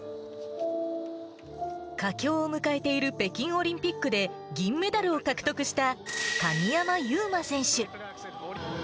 佳境を迎えている北京オリンピックで、銀メダルを獲得した鍵山優真選手。